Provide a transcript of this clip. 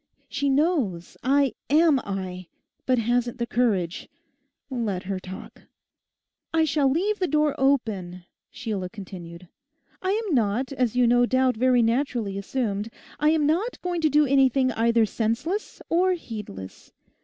'She knows I am I, but hasn't the courage... Let her talk!' 'I shall leave the door open,' Sheila continued. 'I am not, as you no doubt very naturally assumed—I am not going to do anything either senseless or heedless.